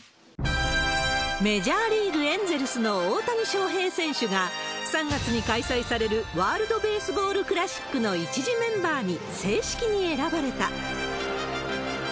メジャーリーグ・エンゼルスの大谷翔平選手が、３月に開催されるワールドベースボールクラシックの１次メンバーに正式に選ばれた。